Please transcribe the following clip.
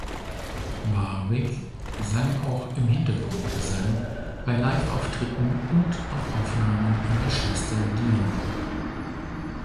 Warwick sang auch im Hintergrundgesang bei Liveauftritten und auf Aufnahmen ihrer Schwester Dionne.